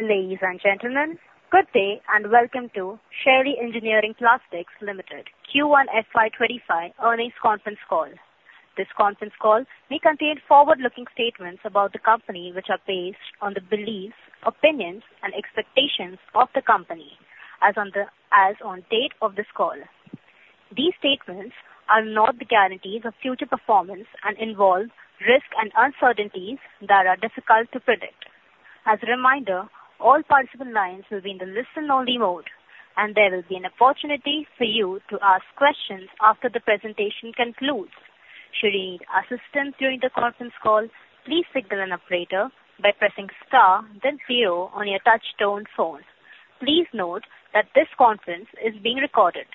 Ladies and gentlemen, good day and welcome to Shaily Engineering Plastics Limited Q1 FY 2025 earnings conference call. This conference call may contain forward-looking statements about the company, which are based on the beliefs, opinions and expectations of the company as on date of this call. These statements are not the guarantees of future performance and involve risks and uncertainties that are difficult to predict. As a reminder, all participant lines will be in the listen only mode, there will be an opportunity for you to ask questions after the presentation concludes. Should you need assistance during the conference call, please signal an operator by pressing star then zero on your touch tone phone. Please note that this conference is being recorded.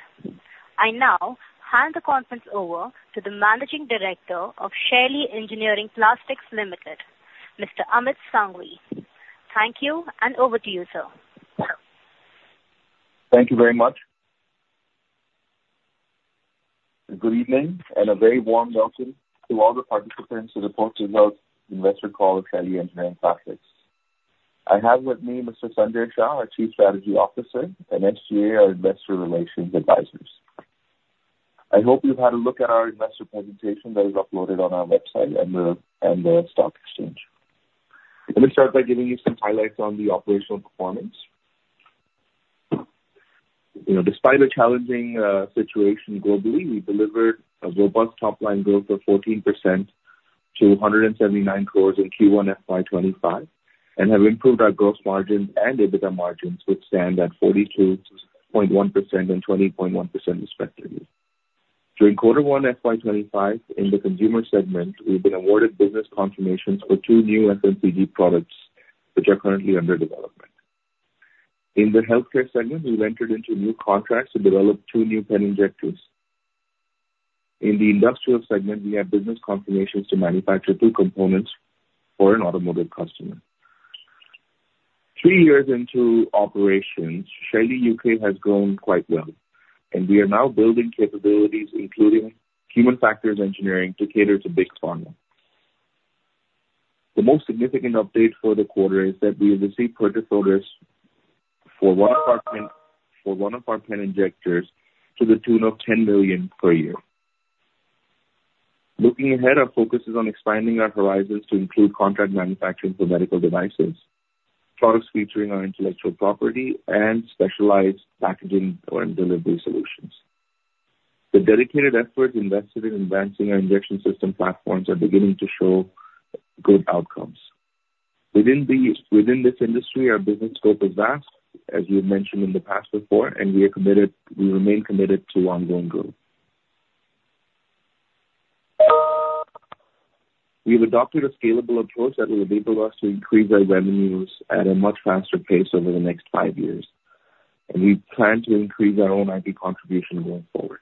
I now hand the conference over to the Managing Director of Shaily Engineering Plastics Limited, Mr. Amit Sanghvi. Thank you, and over to you, sir. Thank you very much. Good evening and a very warm welcome to all the participants who report to the investor call of Shaily Engineering Plastics. I have with me Mr. Sanjay Shah, our Chief Strategy Officer and SGA, our investor relations advisors. I hope you've had a look at our investor presentation that is uploaded on our website and the stock exchange. Let me start by giving you some highlights on the operational performance. Despite a challenging situation globally, we delivered a robust top-line growth of 14% to 179 crores in Q1 FY 2025, have improved our gross margins and EBITDA margins, which stand at 42.1% and 20.1% respectively. During Q1 FY 2025, in the consumer segment, we've been awarded business confirmations for two new FMCG products, which are currently under development. In the healthcare segment, we've entered into new contracts to develop two new pen injectors. In the industrial segment, we have business confirmations to manufacture two components for an automotive customer. Three years into operations, Shaily UK has grown quite well, and we are now building capabilities, including human factors engineering, to cater to big pharma. The most significant update for the quarter is that we have received purchase orders for one of our pen injectors to the tune of 10 million per year. Looking ahead, our focus is on expanding our horizons to include contract manufacturing for medical devices, products featuring our intellectual property and specialized packaging or delivery solutions. The dedicated efforts invested in advancing our injection system platforms are beginning to show good outcomes. Within this industry, our business scope is vast, as we have mentioned in the past before, and we remain committed to ongoing growth. We have adopted a scalable approach that will enable us to increase our revenues at a much faster pace over the next five years, we plan to increase our own IP contribution going forward.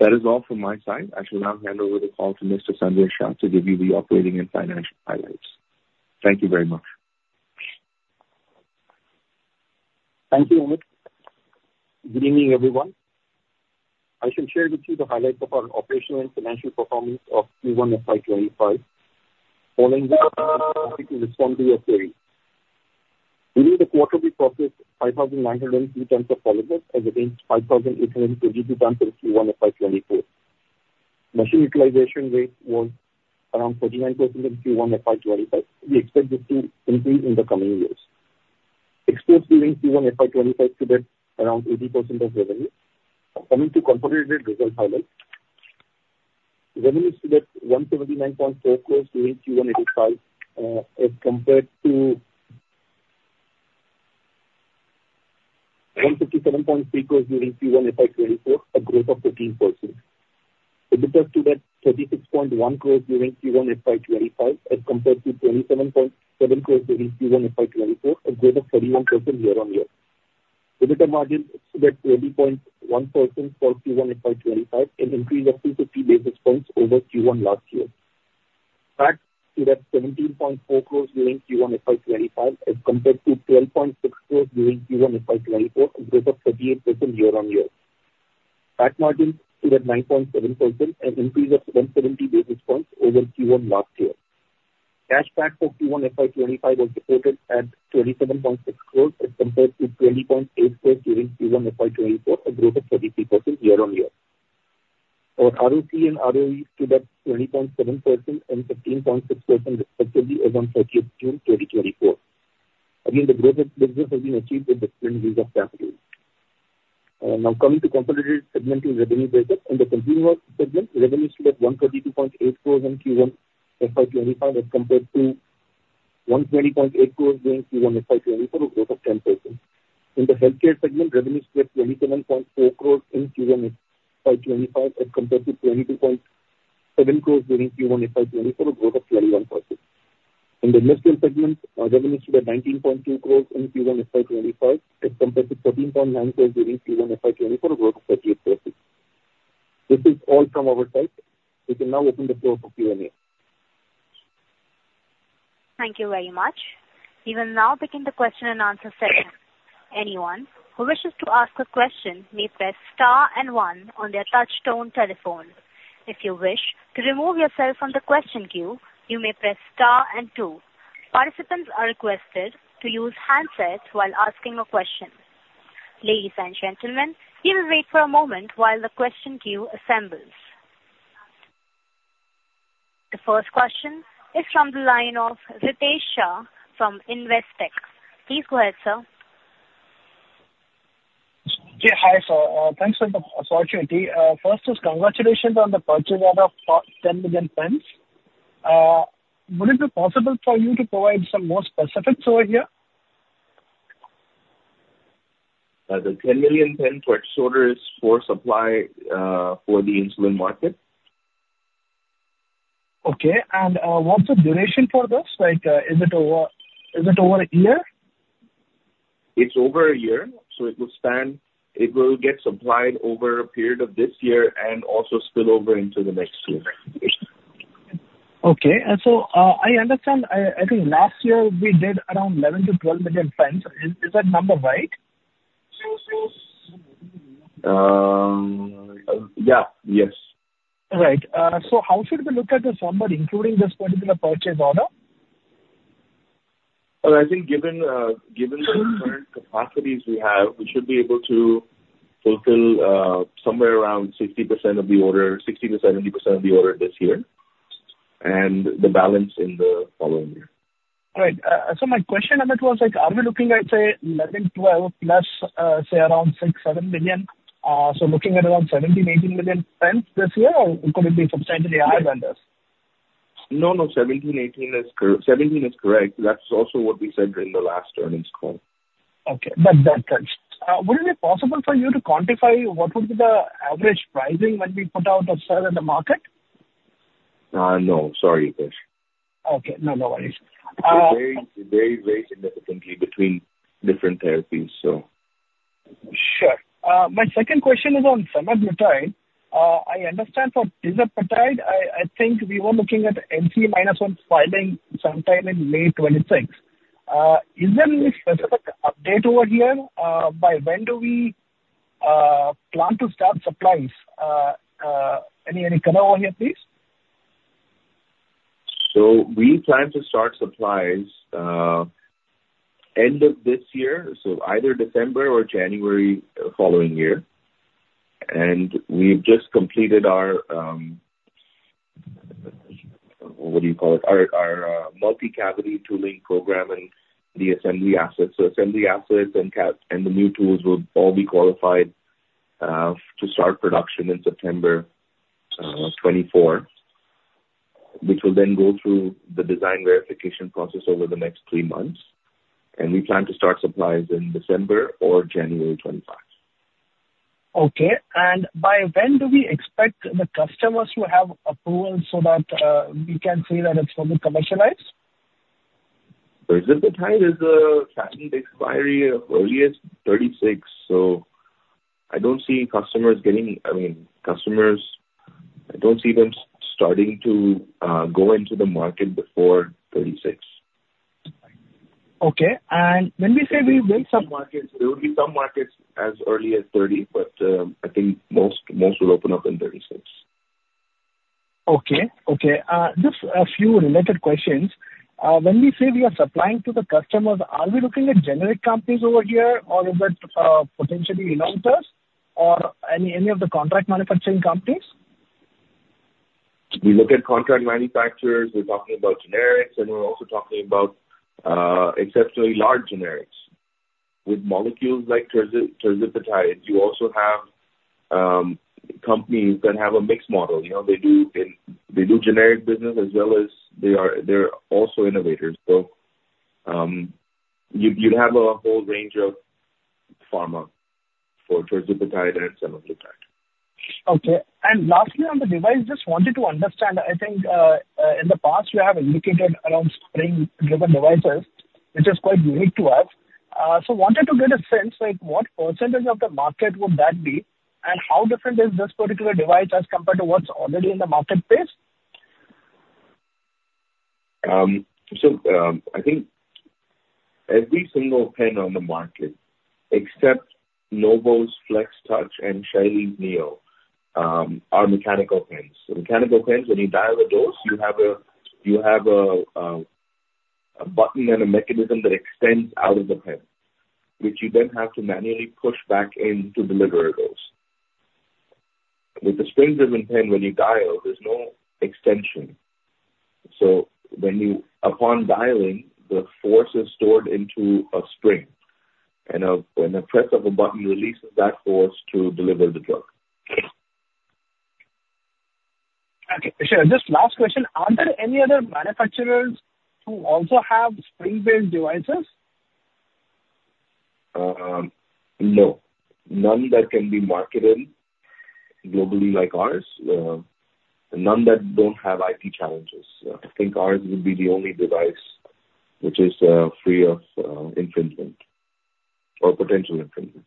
That is all from my side. I shall now hand over the call to Mr. Sanjay Shah to give you the operating and financial highlights. Thank you very much. Thank you, Amit. Good evening, everyone. I shall share with you the highlights of our operational and financial performance of Q1 FY 2025. Following which happy to respond to your queries. During the quarter, we processed 5,903 tons of polymers as against 5,832 tons in Q1 FY 2024. Machine utilization rate was around 39% in Q1 FY 2025. We expect this to increase in the coming years. Exports during Q1 FY 2025 stood at around 80% of revenue. Coming to consolidated results highlights. Revenues stood at INR 179.4 crores during Q1 FY 2025 as compared to INR 157.3 crores during Q1 FY 2024, a growth of 13%. EBITDA stood at 36.1 crores during Q1 FY 2025 as compared to 27.7 crores during Q1 FY 2024, a growth of 31% year-on-year. EBITDA margin stood at 20.1% for Q1 FY 2025, an increase of 250 basis points over Q1 last year. PAT stood at INR 17.4 crores during Q1 FY 2025 as compared to 12.6 crores during Q1 FY 2024, a growth of 38% year-on-year. PAT margin stood at 9.7%, an increase of 170 basis points over Q1 last year. Cash PAT for Q1 FY 2025 was reported at 27.6 crores as compared to 20.8 crores during Q1 FY 2024, a growth of 33% year-on-year. Our ROCE and ROE stood at 20.7% and 15.6% respectively as on 30th June 2024. Again, the growth has been achieved with different use of capital. Now coming to consolidated segmenting revenue breakup. In the consumer segment, revenues stood at 122.8 crores in Q1 FY 2025 as compared to 120.8 crores during Q1 FY 2024, a growth of 10%. In the healthcare segment, revenues stood at 27.4 crores in Q1 FY 2025 as compared to 22.7 crores during Q1 FY 2024, a growth of 21%. In the industrial segment, our revenues stood at 19.2 crores in Q1 FY 2025 as compared to 13.9 crores during Q1 FY 2024, a growth of 38%. This is all from our side. We can now open the floor for Q&A. Thank you very much. We will now begin the question and answer session. Anyone who wishes to ask a question may press star and one on their touch-tone telephone. If you wish to remove yourself from the question queue, you may press star and two. Participants are requested to use handsets while asking a question. Ladies and gentlemen, we will wait for a moment while the question queue assembles. The first question is from the line of Ritesh Shah from Investec. Please go ahead, sir. Okay. Hi, sir. Thanks for the opportunity. First is congratulations on the purchase order for 10 million pens. Would it be possible for you to provide some more specifics over here? The 10 million pen purchase order is for supply for the insulin market. Okay. What's the duration for this? Is it over a year? It's over a year. It will get supplied over a period of this year and also spill over into the next year. Okay. I understand, I think last year we did around 11 to 12 million pens. Is that number right? Yeah. Yes. Right. How should we look at this number, including this particular purchase order? Well, I think given the current capacities we have, we should be able to fulfill somewhere around 60% of the order, 60%-70% of the order this year, and the balance in the following year. Right. My question, Amit, was, are we looking at, say, 11, 12 plus say around six, seven million? Looking at around 17, 18 million pens this year, or could it be substantially higher than this? No, no, 17 is correct. That's also what we said during the last earnings call. Okay. That helps. Would it be possible for you to quantify what would be the average pricing when we put out of sale in the market? No. Sorry, Ritesh. Okay. No worries. It varies very significantly between different therapies. Sure. My second question is on semaglutide. I understand for tirzepatide, I think we were looking at NCE-1 filing sometime in late 2026. Is there any specific update over here? By when do we plan to start supplies? Any color over here, please? We plan to start supplies end of this year, so either December or January the following year. We've just completed our, what do you call it? Our multi-cavity tooling program and the assembly assets. Assembly assets and the new tools will all be qualified to start production in September 2024, which will then go through the design verification process over the next three months. We plan to start supplies in December or January 2025. Okay. By when do we expect the customers to have approval so that we can say that it's fully commercialized? Tirzepatide has a patent expiry of early as 2036, so I don't see customers starting to go into the market before 2036. Okay. When we say we will There will be some markets as early as 2030, but I think most will open up in 2036. Okay. Just a few related questions. When we say we are supplying to the customers, are we looking at generic companies over here, or is it potentially innovators or any of the contract manufacturing companies? We look at contract manufacturers. We're talking about generics, and we're also talking about exceptionally large generics. With molecules like tirzepatide, you also have companies that have a mixed model. They do generic business as well as they're also innovators. You'd have a whole range of pharma for tirzepatide and semaglutide. Okay. Lastly, on the device, just wanted to understand, I think, in the past, you have indicated around spring-driven devices, which is quite unique to us. Wanted to get a sense, what % of the market would that be, and how different is this particular device as compared to what's already in the marketplace? I think every single pen on the market, except Novo's FlexTouch and Shaily's Neo, are mechanical pens. Mechanical pens, when you dial the dose, you have a button and a mechanism that extends out of the pen, which you then have to manually push back in to deliver a dose. With the spring-driven pen, when you dial, there's no extension. Upon dialing, the force is stored into a spring, and a press of a button releases that force to deliver the drug. Okay, sure. Just last question. Are there any other manufacturers who also have spring-based devices? No. None that can be marketed globally like ours. None that don't have IP challenges. I think ours would be the only device which is free of infringement or potential infringement.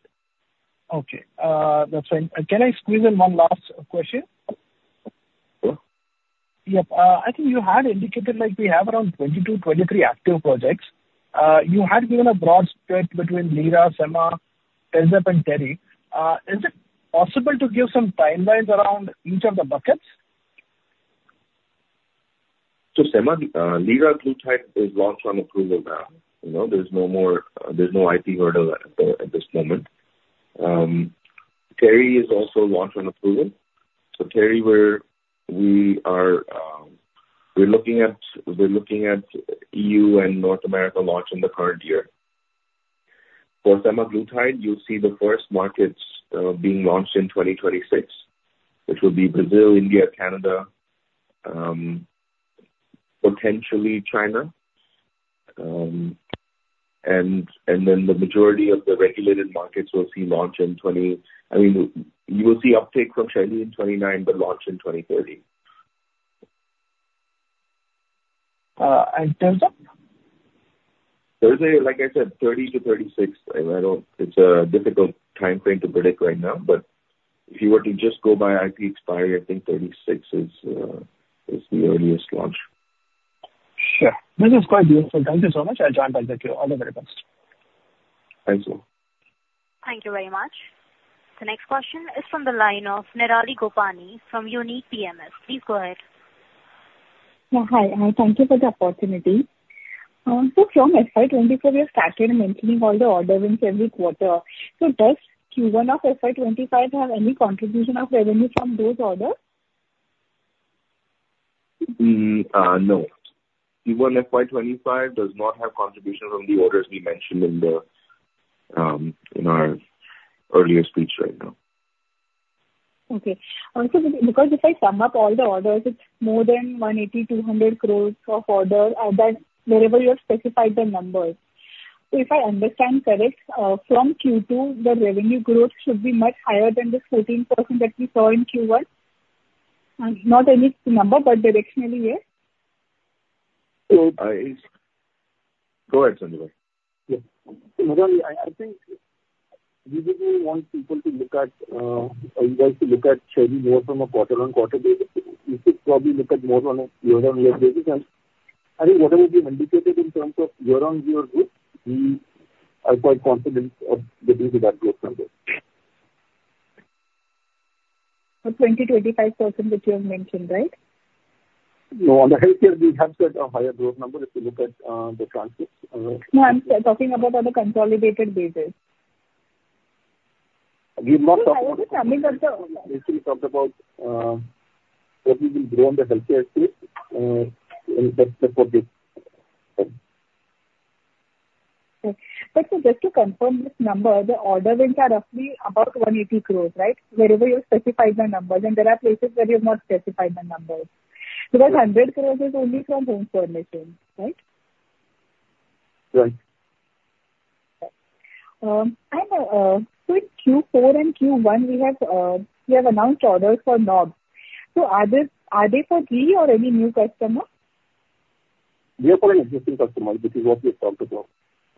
Okay. That's fine. Can I squeeze in one last question? Yep. I think you had indicated we have around 22, 23 active projects. You had given a broad spread between lira, semaglutide, tirzepatide, and teri. Is it possible to give some timelines around each of the buckets? semaglutide, liraglutide is launched on approval now. There's no IP hurdle at this moment. teriparatide is also launched on approval. teriparatide, we're looking at EU and North America launch in the current year. For semaglutide, you'll see the first markets being launched in 2026, which will be Brazil, India, Canada, potentially China. Then the majority of the regulated markets will see launch in I mean, you will see uptake from Shaily in 2029, but launch in 2030. tirzepatide? tirzepatide, like I said, 2030-2036. It's a difficult timeframe to predict right now. If you were to just go by IP expiry, I think 2036 is the earliest launch. Sure. This is quite useful. Thank you so much. I'll join dots with you. All the very best. Thanks. Thank you very much. The next question is from the line of Nirali Gopani from Unique PMS. Please go ahead. Yeah. Hi. Thank you for the opportunity. From FY 2024, we have started mentioning all the order wins every quarter. Does Q1 of FY 2025 have any contribution of revenue from those orders? No. Q1 FY 2025 does not have contribution from the orders we mentioned in our earlier speech right now. Okay. Because if I sum up all the orders, it is more than 180 crore-200 crore of orders, wherever you have specified the numbers. If I understand correct, from Q2, the revenue growth should be much higher than this 13% that we saw in Q1. Not any number, but directionally, yes? Go ahead, Sanjay. Yeah. Nirali, I think we wouldn't want you guys to look at Shaily more from a quarter-on-quarter basis. You should probably look at more on a year-on-year basis. I think whatever we've indicated in terms of year-on-year growth, we are quite confident of delivering to that growth number. The 20%, 25% which you have mentioned, right? No, on the healthcare we have said a higher growth number, if you look at the transcripts. No, I'm talking about on a consolidated basis. We've not talked about. If I were to sum it up. We actually talked about what we will grow on the healthcare space in the fourth quarter. Okay. Sir, just to confirm this number, the order wins are roughly about 180 crores, right? Wherever you have specified the numbers, and there are places where you have not specified the numbers. Because 100 crores is only from home furnishing, right? Right. In Q4 and Q1, we have announced orders for knobs. Are they for Ypsomed or any new customer? They are for an existing customer. This is what we have talked about.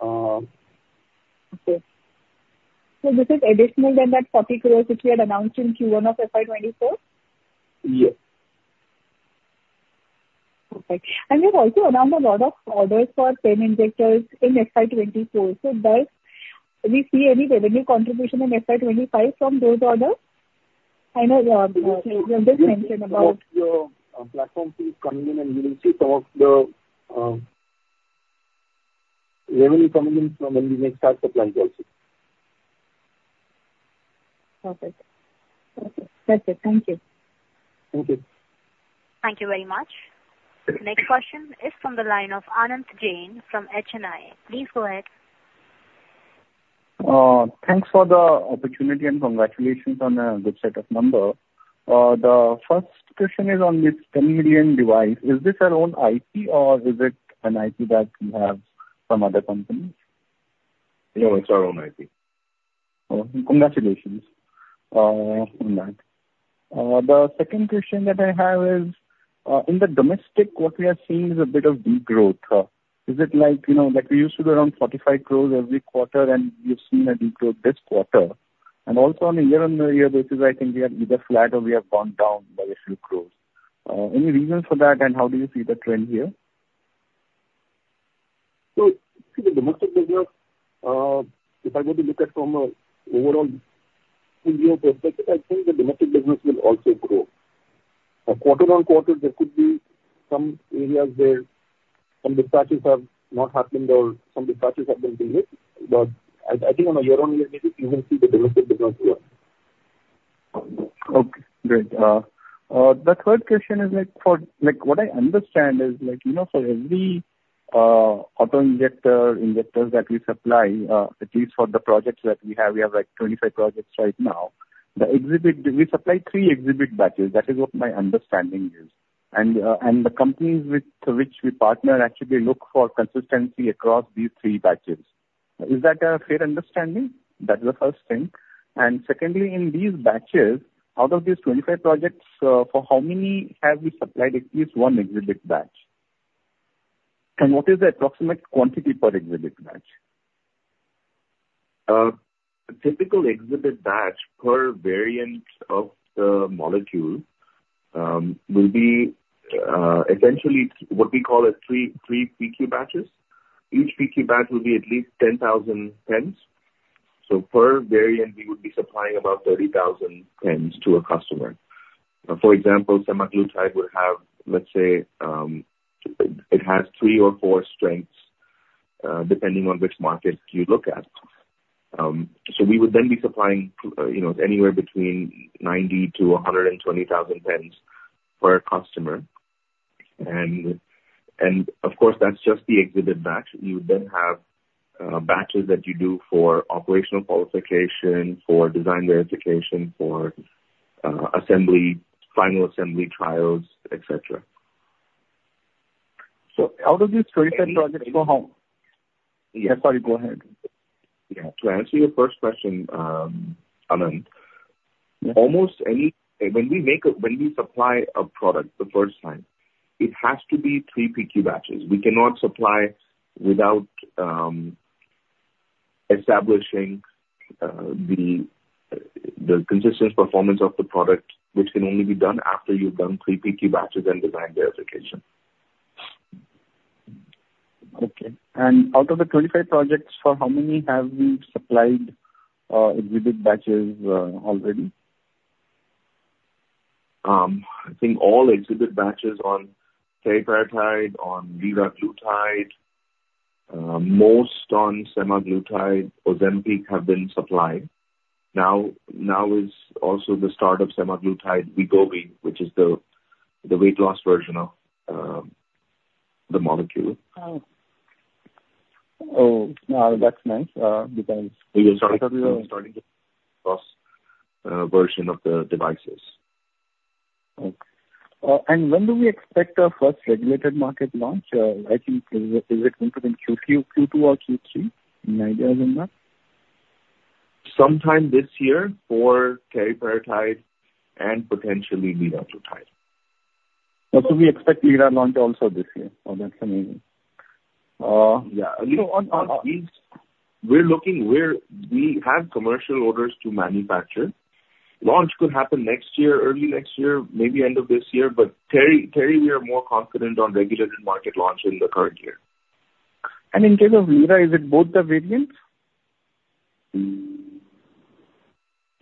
Okay. This is additional than that 40 crores which we had announced in Q1 of FY 2024? Yes. Perfect. We've also announced a lot of orders for pen injectors in FY 2024. Do we see any revenue contribution in FY 2025 from those orders? I know you have just mentioned. Your platform fees coming in, and we will see some of the revenue coming in from when we make SARs supplies also. Perfect. That's it. Thank you. Thank you. Thank you very much. The next question is from the line of Anant Jain from HNI. Please go ahead. Thanks for the opportunity, and congratulations on a good set of numbers. The first question is on this pen needle device. Is this our own IP or is it an IP that you have from other companies? No, it's our own IP. Congratulations on that. The second question that I have is, in the domestic, what we are seeing is a bit of degrowth. Is it like we used to do around 45 crores every quarter and we've seen a degrowth this quarter. Also on a year-over-year basis, I think we are either flat or we have gone down by a few crores. Any reason for that, and how do you see the trend here? See the domestic business, if I were to look at from an overall full year perspective, I think the domestic business will also grow. Quarter-on-quarter, there could be some areas where some dispatches have not happened or some dispatches have been delayed. I think on a year-on-year basis, you will see the domestic business grow. Okay, great. The third question is, what I understand is for every auto injector that we supply, at least for the projects that we have, we have 25 projects right now. We supply three exhibit batches. That is what my understanding is. The companies with which we partner actually look for consistency across these three batches. Is that a fair understanding? That's the first thing. Secondly, in these batches, out of these 25 projects, for how many have we supplied at least one exhibit batch? What is the approximate quantity per exhibit batch? A typical exhibit batch per variant of the molecule will be essentially what we call three PQ batches. Each PQ batch will be at least 10,000 pens. Per variant, we would be supplying about 30,000 pens to a customer. For example, semaglutide, it has three or four strengths depending on which market you look at. We would then be supplying anywhere between 90 to 120,000 pens per customer. And of course, that's just the exhibit batch. You then have batches that you do for operational qualification, for design verification, for final assembly trials, et cetera. Out of these 25 projects. Sorry, go ahead. Yeah. To answer your first question, Anand. Yeah. When we supply a product the first time, it has to be three PQ batches. We cannot supply without establishing the consistent performance of the product, which can only be done after you've done three PQ batches and design verification. Okay. Out of the 25 projects, for how many have we supplied exhibit batches already? I think all exhibit batches on teriparatide, on liraglutide, most on semaglutide Ozempic have been supplied. Now is also the start of semaglutide Wegovy, which is the weight loss version of the molecule. Oh, that's nice because We are starting the launch version of the devices. Okay. When do we expect our first regulated market launch? Is it going to be in Q2 or Q3? Any idea on that? Sometime this year for teriparatide and potentially liraglutide. We expect liraglutide launch also this year. Oh, that's amazing. Yeah. On these We have commercial orders to manufacture. Launch could happen next year, early next year, maybe end of this year. teriparatide, we are more confident on regulated market launch in the current year. In case of liraglutide, is it both the variants?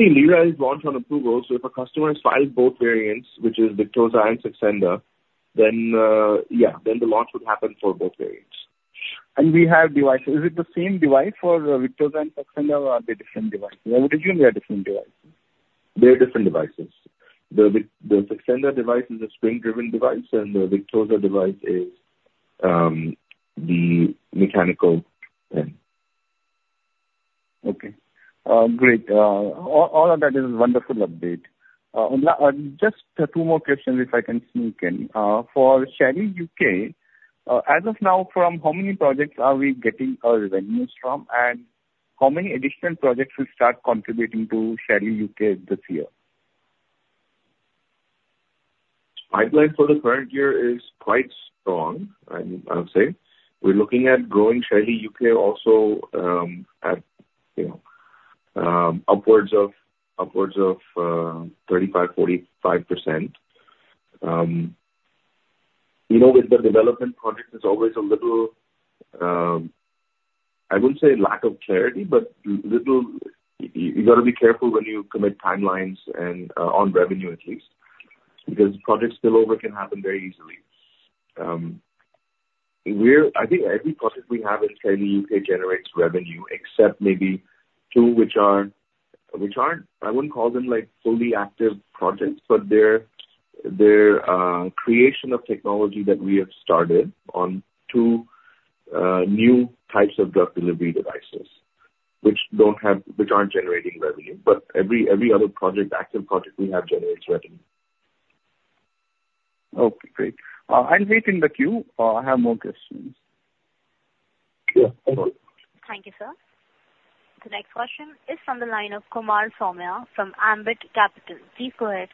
liraglutide is launch on approval. If a customer has filed both variants, which is Victoza and Saxenda, then the launch would happen for both variants. We have devices. Is it the same device for Victoza and Saxenda, or are they different devices? I would assume they are different devices. They're different devices. The Saxenda device is a spring-driven device, and the Victoza device is the mechanical pen. Okay. Great. All of that is a wonderful update. Just two more questions, if I can sneak in. For Shaily UK, as of now, from how many projects are we getting our revenues from, and how many additional projects will start contributing to Shaily UK this year? Pipeline for the current year is quite strong, I would say. We are looking at growing Shaily UK also at upwards of 35%-45%. With the development projects, there is always a little, I wouldn't say lack of clarity, but you got to be careful when you commit timelines and on revenue, at least. Because project spill-over can happen very easily. I think every project we have in Shaily UK generates revenue except maybe two which are not, I wouldn't call them fully active projects. But they are creation of technology that we have started on two new types of drug delivery devices, which are not generating revenue. But every other active project we have generates revenue. Okay, great. I will wait in the queue. I have more questions. Sure. Thank you. Thank you, sir. The next question is from the line of Kumar Saumya from Ambit Capital. Please go ahead.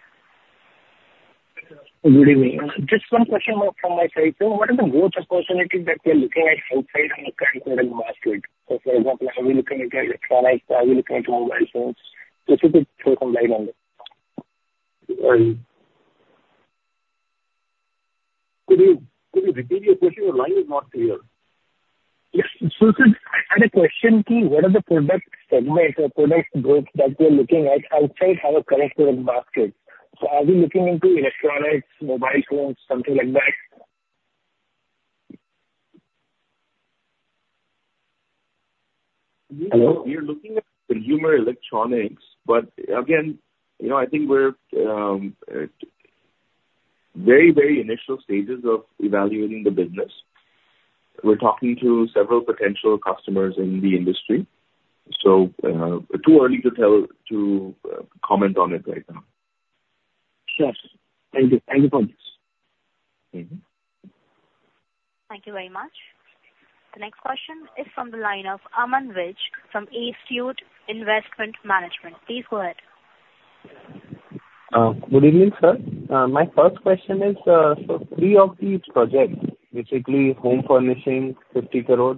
Good evening. Just one question more from my side, sir. What are the growth opportunities that we're looking at outside our current product basket? For example, are we looking into electronics? Are we looking into mobile phones? If you could throw some light on this. Could you repeat your question? Your line is not clear. Yes, Susin, I had a question. What are the product segments or product groups that we're looking at outside our current product basket? Are we looking into electronics, mobile phones, something like that? Hello? We are looking at consumer electronics, again, I think we're at very initial stages of evaluating the business. We're talking to several potential customers in the industry. Too early to comment on it right now. Sure, sir. Thank you. Thank you for this. Thank you very much. The next question is from the line of Aman Vij from Astute Investment Management. Please go ahead. Good evening, sir. My first question is, three of the projects, basically home furnishing, ₹50 crore;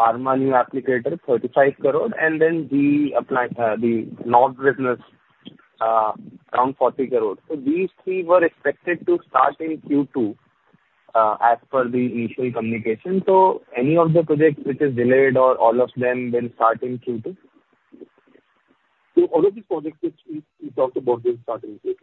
pharma new applicator, ₹35 crore, and then the knob business around ₹40 crore. These three were expected to start in Q2, as per the initial communication. Any of the projects which is delayed, or all of them will start in Q2? All of these projects, which we talked about, will start in Q2.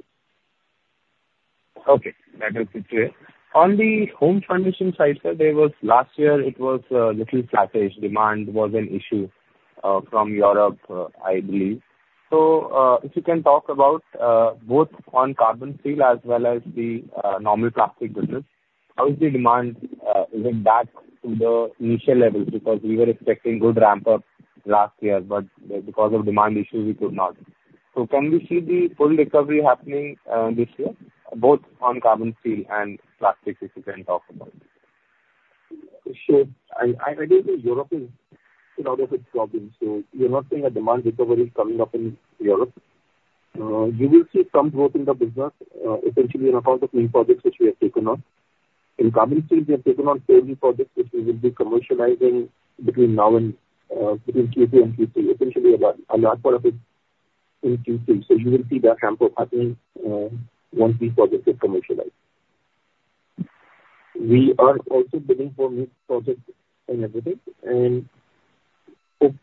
Okay. That is it. On the home furnishings side, sir, last year it was a little sluggish. Demand was an issue from Europe, I believe. If you can talk about both on carbon steel as well as the normal plastic business, how is the demand? Is it back to the initial levels? Because we were expecting good ramp up last year, but because of demand issues, we could not. Can we see the full recovery happening this year, both on carbon steel and plastics, if you can talk about it? Sure. I believe that Europe is out of its problems. You're not seeing a demand recovery coming up in Europe. You will see some growth in the business, essentially on account of new projects which we have taken on. In carbon steel, we have taken on three new projects which we will be commercializing between Q2 and Q3, essentially a large part of it in Q3. You will see that ramp up happening once these projects get commercialized. We are also bidding for new projects in every bit, and hope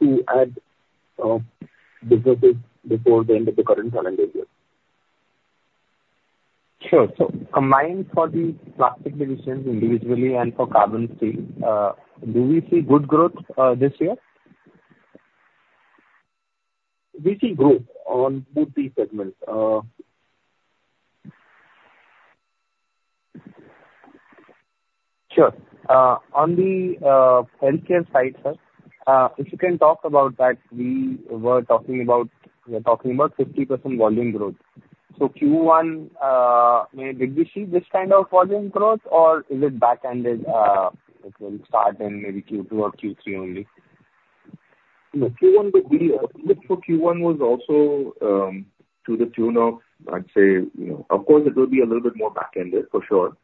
to add businesses before the end of the current calendar year. Sure. Combined for the plastic divisions individually and for carbon steel, do we see good growth this year? We see growth on both these segments. Sure. On the healthcare side, sir, if you can talk about that, we were talking about 50% volume growth. Q1, maybe, did we see this kind of volume growth or is it back ended, it will start in maybe Q2 or Q3 only? No. Our outlook for Q1 was also to the tune of, I'd say, of course it will be a little bit more back ended for sure,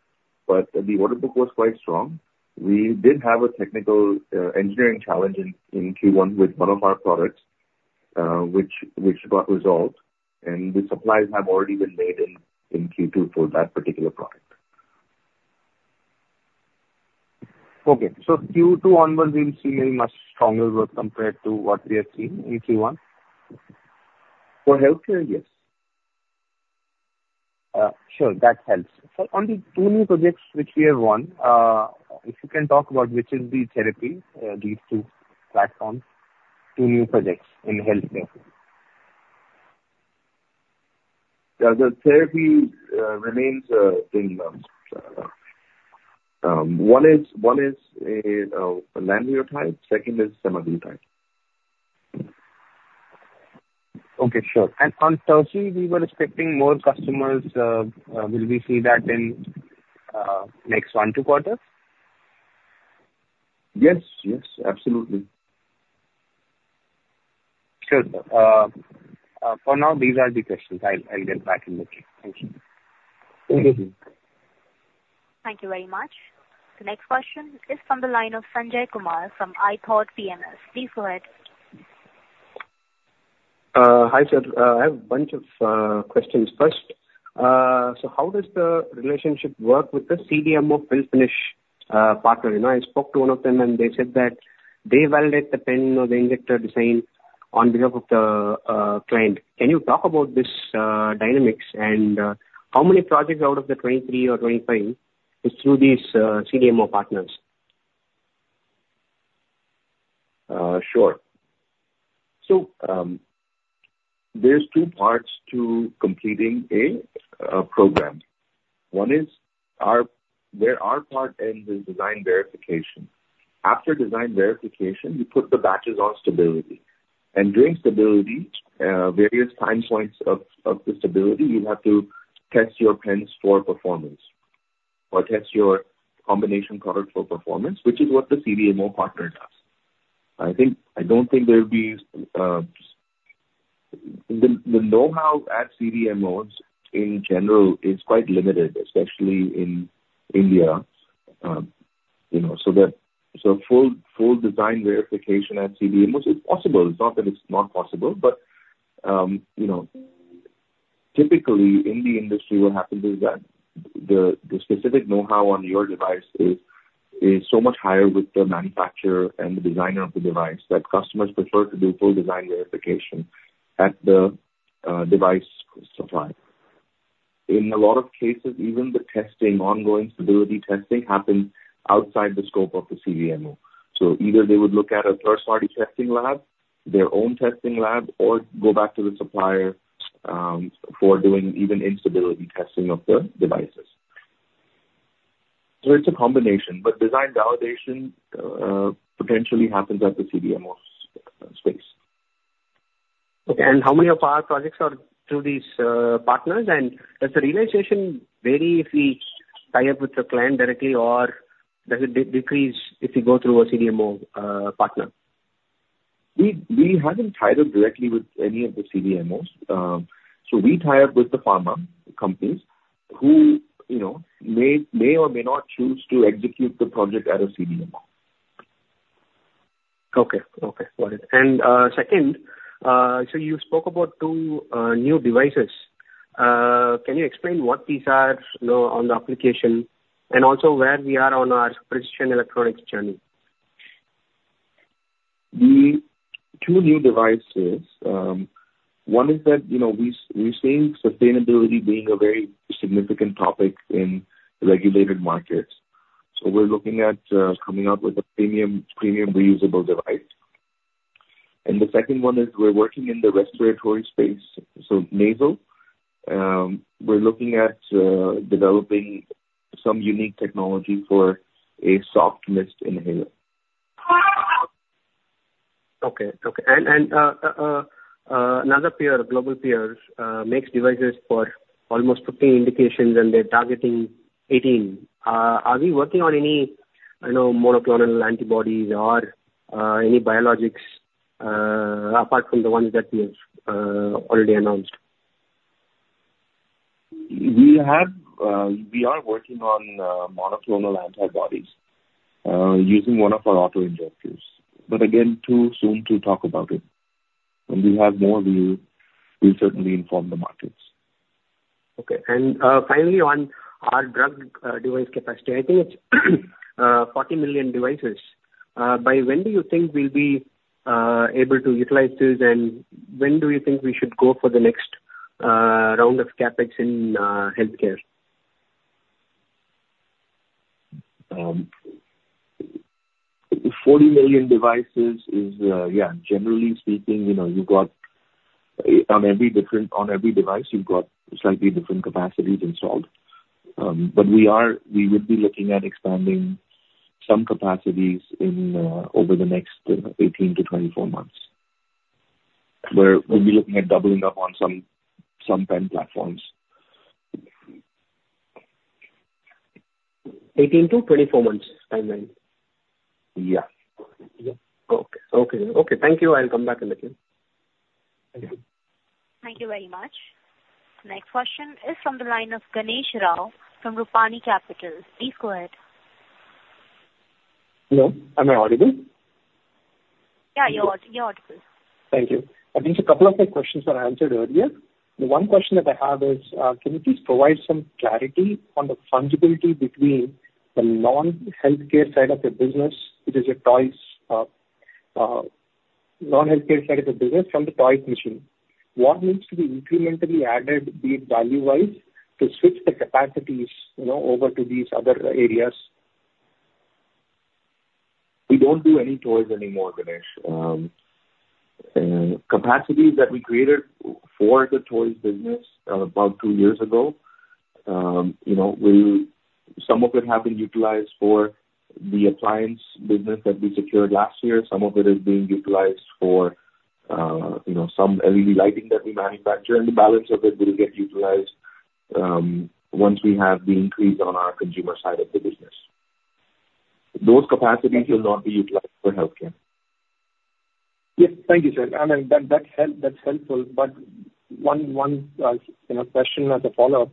but the order book was quite strong. We did have a technical engineering challenge in Q1 with one of our products, which got resolved, and the supplies have already been made in Q2 for that particular product. Okay. Q2 onwards, we will see a much stronger growth compared to what we have seen in Q1. For healthcare, yes. Sure. That helps. Sir, on the two new projects which we have won, if you can talk about which is the therapy, these two platforms, two new projects in healthcare. The therapy remains the one is a lanreotide, second is Somatuline type. Okay, sure. On TASI, we were expecting more customers. Will we see that in next one, two quarters? Yes. Absolutely. Sure, sir. For now, these are the questions. I will get back in the queue. Thank you. Thank you. Thank you very much. The next question is from the line of Sanjay Kumar from ithought PMS. Please go ahead. Hi, sir. I have a bunch of questions. First, how does the relationship work with the CDMO fill finish partner? I spoke to one of them and they said that they validate the pen or the injector design on behalf of the client. Can you talk about this dynamics and how many projects out of the 23 or 25 is through these CDMO partners? Sure. There's two parts to completing a program. One is, where our part ends is design verification. After design verification, you put the batches on stability. During stability, various time points of the stability, you have to test your pens for performance or test your combination product for performance, which is what the CDMO partner does. The knowhow at CDMOs in general is quite limited, especially in India. Full design verification at CDMOs, it's possible. It's not that it's not possible, but typically in the industry, what happens is that the specific knowhow on your device is so much higher with the manufacturer and the designer of the device that customers prefer to do full design verification at the device supplier. In a lot of cases, even the testing, ongoing stability testing happens outside the scope of the CDMO. Either they would look at a first-party testing lab, their own testing lab, or go back to the supplier, for doing even instability testing of the devices. It's a combination, but design validation, potentially happens at the CDMO space. Okay. How many of our projects are through these partners? Does the realization vary if we tie up with the client directly, or does it decrease if we go through a CDMO partner? We haven't tied up directly with any of the CDMOs. We tie up with the pharma companies who may or may not choose to execute the project at a CDMO. Okay. Got it. Second, you spoke about two new devices. Can you explain what these are on the application and also where we are on our precision electronics journey? The two new devices, one is, we're seeing sustainability being a very significant topic in regulated markets. We're looking at coming up with a premium reusable device. The second one is we're working in the respiratory space, so nasal. We're looking at developing some unique technology for a soft mist inhaler. Okay. Another global peer makes devices for almost 15 indications and they're targeting 18. Are we working on any monoclonal antibodies or any biologics apart from the ones that we have already announced? We are working on monoclonal antibodies using one of our auto-injectors. Again, too soon to talk about it. When we have more, we'll certainly inform the markets. Okay. Finally, on our drug device capacity, I think it is 40 million devices. By when do you think we will be able to utilize this and when do you think we should go for the next round of CapEx in healthcare? 40 million devices is. Generally speaking, on every device you have got slightly different capacities installed. We would be looking at expanding some capacities over the next 18 to 24 months, where we will be looking at doubling up on some pen platforms. 18 to 24 months timeline? Yeah. Okay. Thank you. I will come back in a bit. Thank you. Thank you very much. Next question is from the line of Ganesh Rao from Rupani Capital. Please go ahead. Hello, am I audible? Yeah, you're audible. Thank you. I think a couple of my questions were answered earlier. The one question that I have is, can you please provide some clarity on the fungibility between the non-healthcare side of the business from the toy machine? What needs to be incrementally added, be it value-wise, to switch the capacities over to these other areas? We don't do any toys anymore, Ganesh. Capacities that we created for the toys business about two years ago, some of it have been utilized for the appliance business that we secured last year. Some of it is being utilized for some LED lighting that we manufacture, and the balance of it will get utilized once we have the increase on our consumer side of the business. Those capacities will not be utilized for healthcare. Yes. Thank you, sir. That's helpful, but one question as a follow-up.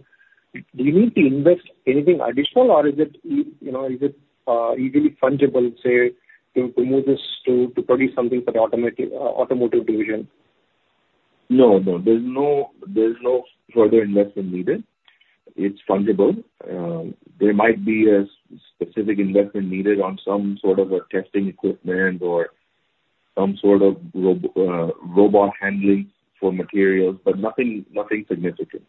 Do you need to invest anything additional or is it easily fungible, say, to move this to produce something for the automotive division? No. There's no further investment needed. It's fungible. There might be a specific investment needed on some sort of a testing equipment or some sort of robot handling for materials, but nothing significant.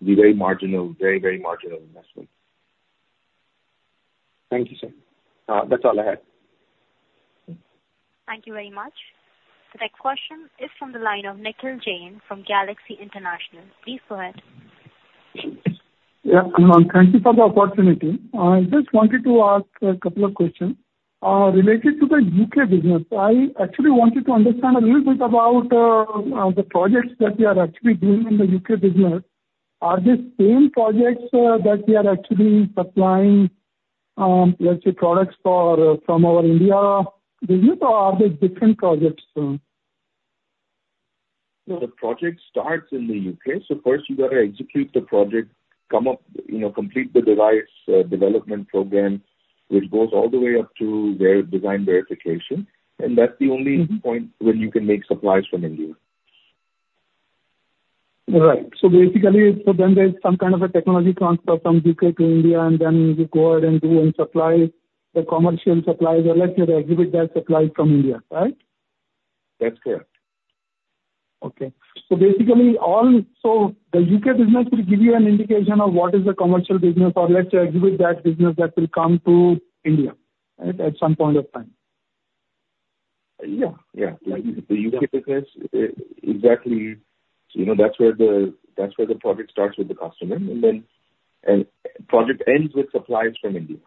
Very marginal investment. Thank you, sir. That's all I had. Thank you very much. The next question is from the line of Nikhil Jain from Galaxy International. Please go ahead. Yeah. Thank you for the opportunity. I just wanted to ask a couple of questions. Related to the U.K. business, I actually wanted to understand a little bit about the projects that we are actually doing in the U.K. business. Are these same projects that we are actually supplying, let's say, products from our India business, or are they different projects, sir? No, the project starts in the U.K. First you got to execute the project, complete the device development program, which goes all the way up to their design verification. That's the only point where you can make supplies from India. Right. There's some kind of a technology transfer from U.K. to India, and then you go ahead and do and supply the commercial supplies, or let's say, exhibit that supplies from India, right? That's correct. Okay. The U.K. business will give you an indication of what is the commercial business, or let's exhibit that business that will come to India at some point of time. Yeah. The U.K. business, exactly. That's where the project starts with the customer, and then project ends with supplies from India.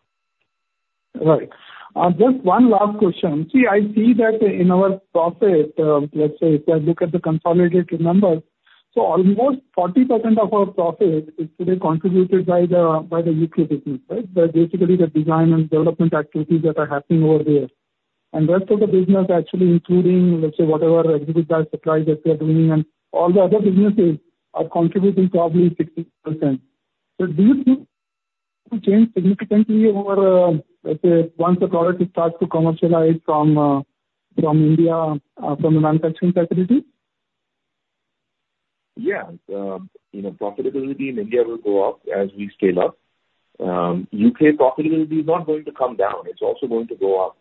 I see that in our profit, let's say, if I look at the consolidated numbers. Almost 40% of our profit is today contributed by the U.K. business, right? Basically, the design and development activities that are happening over there. Rest of the business, actually including, let's say, whatever exenatide supply that we are doing and all the other businesses are contributing probably 60%. Do you think it will change significantly over, let's say, once the product starts to commercialize from India, from the manufacturing facilities? Yeah. Profitability in India will go up as we scale up. U.K. profitability is not going to come down. It is also going to go up.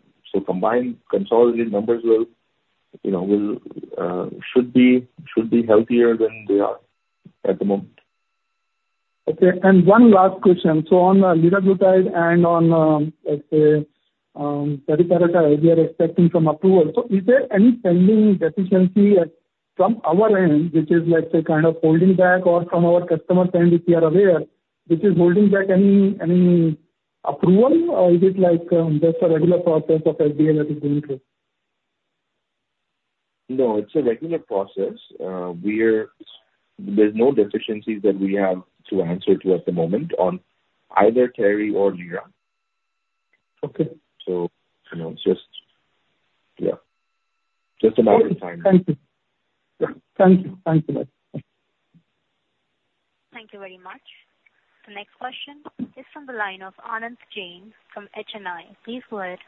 Combined, consolidated numbers should be healthier than they are at the moment. Okay. One last question. On liraglutide and on, let's say, teriparatide, we are expecting some approval. Is there any pending deficiency from our end, which is, let's say, kind of holding back or from our customer's end, if you are aware, which is holding back any approval? Is it just a regular process of FDA that is going through? No, it is a regular process. There is no deficiencies that we have to answer to at the moment on either teri or lira. Okay. Just a matter of time. Thank you. Yeah. Thank you. Thank you very much. The next question is from the line of Anant Jain from HNI. Please go ahead.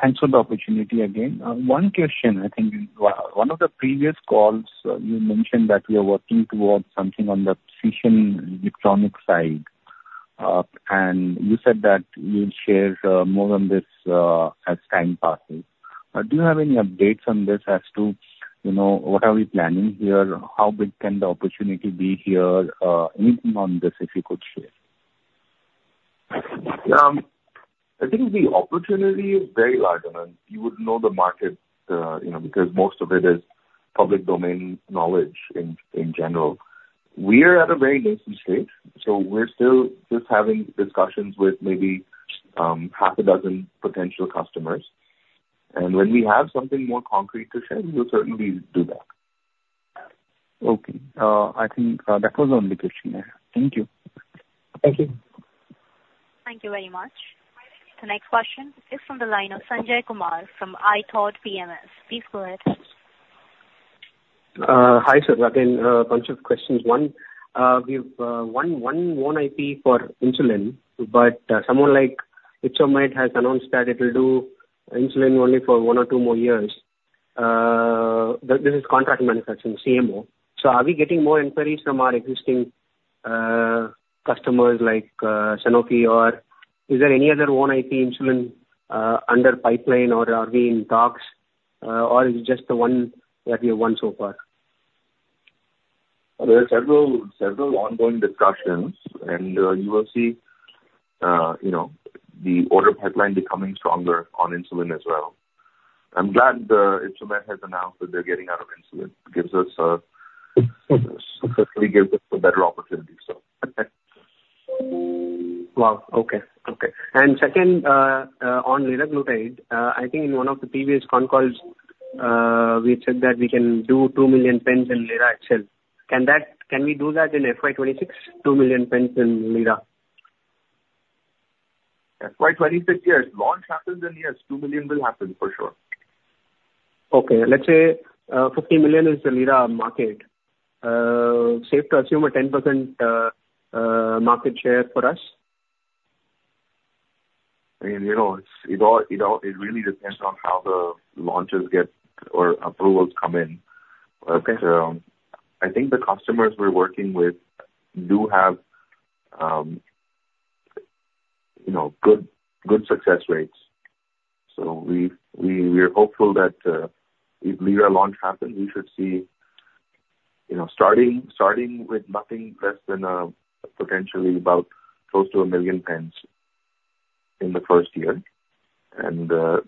Thanks for the opportunity again. One question. I think in one of the previous calls, you mentioned that you are working towards something on the precision electronic side. You said that you'll share more on this as time passes. Do you have any updates on this as to what are we planning here? How big can the opportunity be here? Anything on this, if you could share. I think the opportunity is very large. You would know the market because most of it is public domain knowledge in general. We are at a very nascent stage, so we're still just having discussions with maybe half a dozen potential customers. When we have something more concrete to share, we'll certainly do that. Okay. I think that was the only question I had. Thank you. Thank you. Thank you very much. The next question is from the line of Sanjay Kumar from ithought PMS. Please go ahead. Hi, sir. Again, a bunch of questions. One, we have one IP for insulin, but someone like Ypsomed has announced that it will do insulin only for one or two more years. This is contract manufacturing, CMO. Are we getting more inquiries from our existing customers like Sanofi? Is there any other one IP insulin under pipeline, or are we in talks? Is it just the one that we have won so far? There are several ongoing discussions, and you will see the order pipeline becoming stronger on insulin as well. I'm glad Ypsomed has announced that they're getting out of insulin. Gives us a better opportunity. Wow, okay. Second, on liraglutide, I think in one of the previous con calls, we said that we can do 2 million pens in Lira itself. Can we do that in FY 2026, 2 million pens in Lira? FY 2026, yes. Launch happens, yes, 2 million will happen for sure. Okay. Let's say 50 million is the lira market. Safe to assume a 10% market share for us? It really depends on how the launches get or approvals come in. Okay. I think the customers we're working with do have good success rates. We're hopeful that if lira launch happens, we should see, starting with nothing less than potentially about close to 1 million pens in the first year.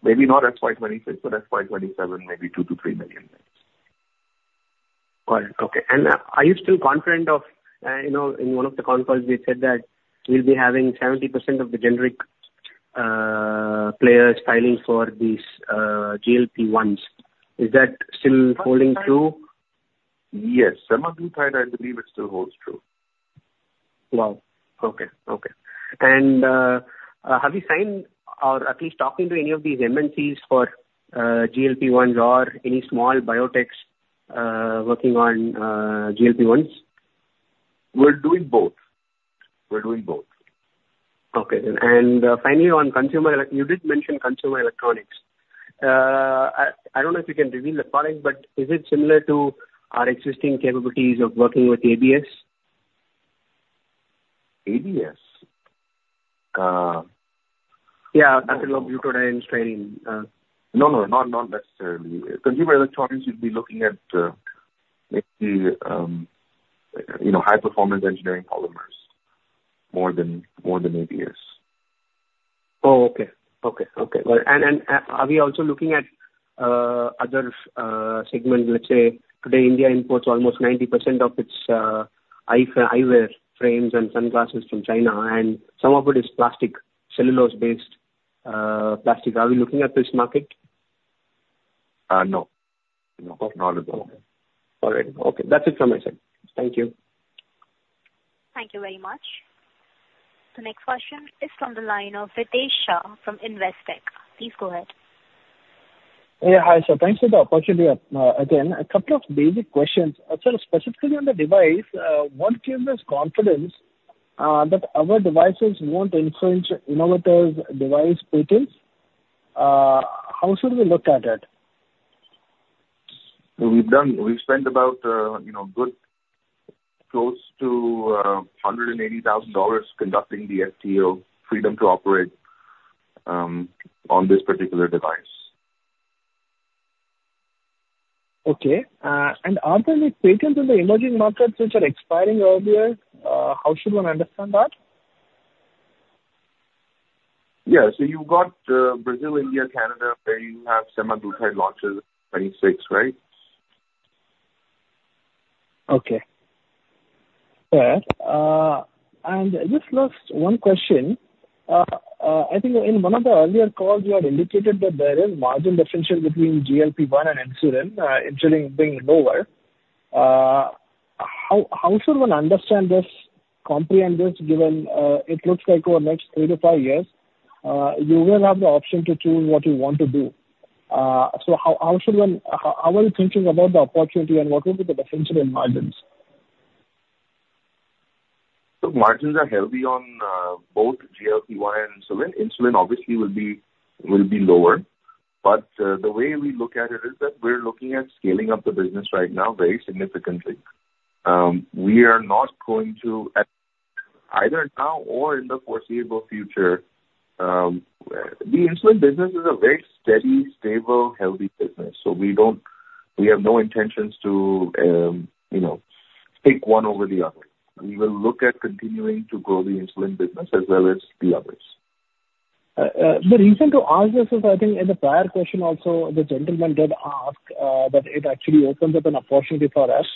Maybe not FY 2026, but FY 2027, maybe 2 million-3 million pens. Got it. Okay. Are you still confident of, in one of the con calls, we said that we'll be having 70% of the generic players filing for these GLP-1s. Is that still holding true? Yes. semaglutide, I believe it still holds true. Wow, okay. Have you signed or at least talking to any of these MNCs for GLP-1s or any small biotechs working on GLP-1s? We're doing both. Okay, then. Finally, on consumer, you did mention consumer electronics. I don't know if you can reveal the product, but is it similar to our existing capabilities of working with ABS? ABS? Yeah, Acrylonitrile Butadiene Styrene. No, not necessarily. Consumer electronics, you'd be looking at maybe high-performance engineering polymers more than ABS. Oh, okay. Are we also looking at other segments? Let's say today India imports almost 90% of its eyewear frames and sunglasses from China, and some of it is plastic, cellulose-based plastics, are we looking at this market? No. Not at the moment. All right. Okay. That's it from my side. Thank you. Thank you very much. The next question is from the line of Ritesh Shah from Investec. Please go ahead. Yeah. Hi, sir. Thanks for the opportunity. Again, a couple of basic questions. Sir, specifically on the device, what gives us confidence that our devices won't infringe innovators' device patents? How should we look at it? We've spent about close to INR 180,000 conducting the FTO, freedom to operate, on this particular device. Okay. Aren't there any patents in the emerging markets which are expiring earlier? How should one understand that? Yeah. You've got Brazil, India, Canada, where you have semaglutide launches 2026, right? Okay. Fair. Just last one question. I think in one of the earlier calls, you had indicated that there is margin differential between GLP-1 and insulin being lower. How should one understand this, comprehend this, given it looks like over the next three to five years, you will have the option to choose what you want to do? How are you thinking about the opportunity and what will be the differential in margins? margins are healthy on both GLP-1 and insulin. Insulin obviously will be lower. The way we look at it is that we're looking at scaling up the business right now very significantly. The insulin business is a very steady, stable, healthy business. We have no intentions to pick one over the other. We will look at continuing to grow the insulin business as well as the others. The reason to ask this is, I think in the prior question also, the gentleman did ask that it actually opens up an opportunity for us,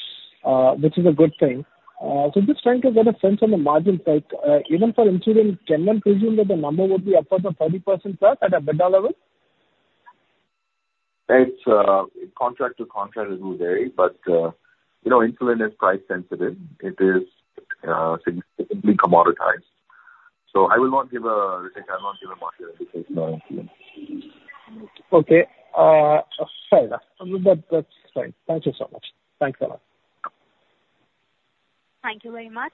which is a good thing. I'm just trying to get a sense on the margin side. Even for insulin, can one presume that the number would be upwards of 30% plus at an EBITDA level? Contract to contract, it will vary, but insulin is price sensitive. It is significantly commoditized. I will not give a margin because. Okay. Fair enough. That's fine. Thank you so much. Thanks a lot. Thank you very much.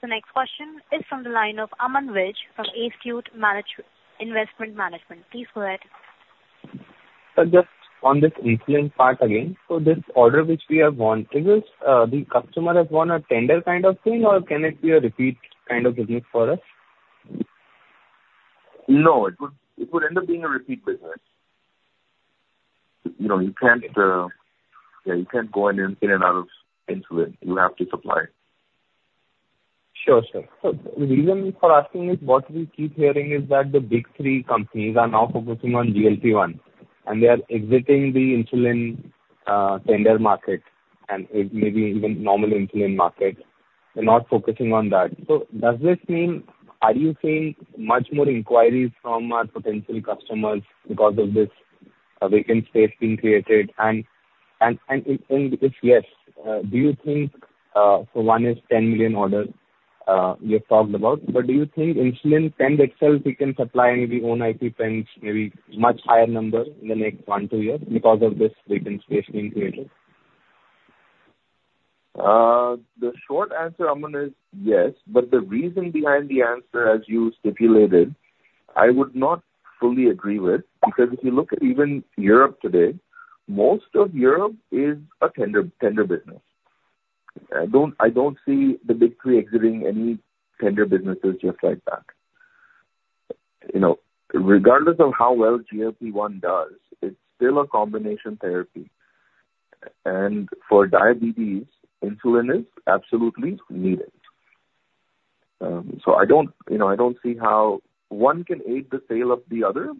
The next question is from the line of Aman Vij from Astute Investment Management. Please go ahead. Sir, just on this insulin part again. This order which we have won, the customer has won a tender kind of thing or can it be a repeat kind of business for us? No. It would end up being a repeat business. You can't go in and out of insulin. You have to supply. Sure, sir. The reason for asking is what we keep hearing is that the big three companies are now focusing on GLP-1, and they are exiting the insulin tender market and maybe even normal insulin market. They're not focusing on that. Are you seeing much more inquiries from potential customers because of this vacant space being created? If yes, do you think, one is 10 million orders you have talked about, but do you think insulin pens itself, you can supply maybe own IP pens, maybe much higher numbers in the next one, two years because of this vacant space being created? The short answer, Aman, is yes. The reason behind the answer, as you stipulated, I would not fully agree with, because if you look at even Europe today, most of Europe is a tender business. I don't see the big three exiting any tender businesses just like that. Regardless of how well GLP-1 does, it's still a combination therapy. For diabetes, insulin is absolutely needed. I don't see how one can aid the sale of the other.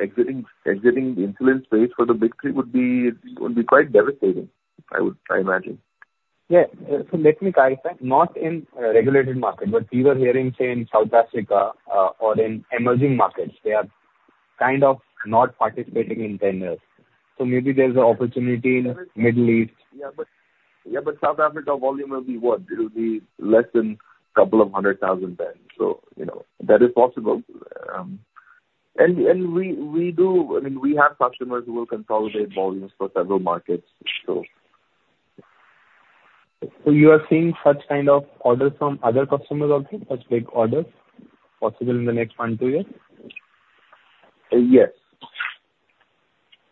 Exiting the insulin space for the big three would be quite devastating, I imagine. Let me clarify. Not in a regulated market, we were hearing, say, in South Africa or in emerging markets, they are kind of not participating in tenders. Maybe there's an opportunity in Middle East. South Africa volume will be what? It will be less than a couple of 100,000 pens. That is possible. We have customers who will consolidate volumes for several markets. You are seeing such kind of orders from other customers also, such big orders possible in the next one, two years? Yes.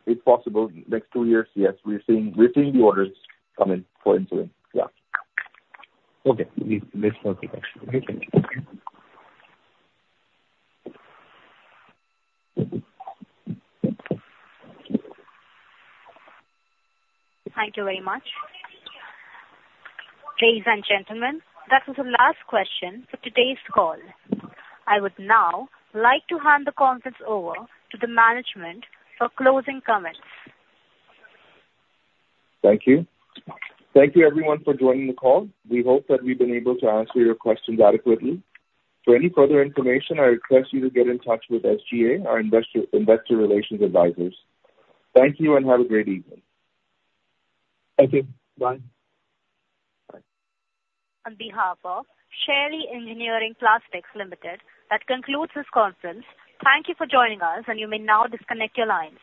It's possible. Next two years, yes. We're seeing the orders come in for insulin. Yeah. Okay. That's perfect, actually. Thank you. Thank you very much. Ladies and gentlemen, that was the last question for today's call. I would now like to hand the conference over to the management for closing comments. Thank you. Thank you everyone for joining the call. We hope that we've been able to answer your questions adequately. For any further information, I request you to get in touch with SGA, our investor relations advisors. Thank you and have a great evening. Thank you. Bye. Bye. On behalf of Shaily Engineering Plastics Limited, that concludes this conference. Thank you for joining us, and you may now disconnect your lines.